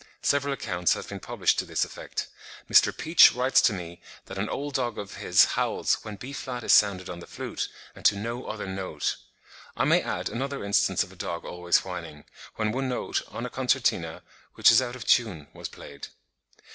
(33. Several accounts have been published to this effect. Mr. Peach writes to me that an old dog of his howls when B flat is sounded on the flute, and to no other note. I may add another instance of a dog always whining, when one note on a concertina, which was out of tune, was played.)